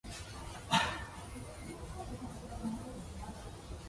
It issued the "Barcelona Declaration" on youth.